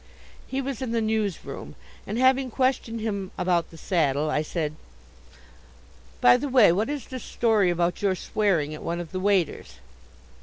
He was in the news room, and having questioned him about the saddle, I said: "By the way, what is this story about your swearing at one of the waiters?"